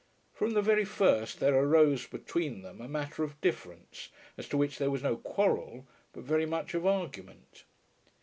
From the very first there arose between them a matter of difference, as to which there was no quarrel, but very much of argument.